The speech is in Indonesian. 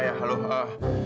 kamu dengar aku nggak sih